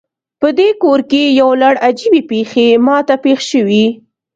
پدې کور کې یو لړ عجیبې پیښې ما ته پیښ شوي